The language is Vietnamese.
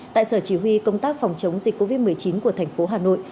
tại sở chỉ huy công tác phòng chống dịch covid một mươi chín của thành phố hà nội